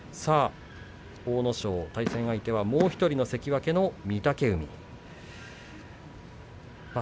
阿武咲、対戦相手はもう１人の関脇の御嶽海です。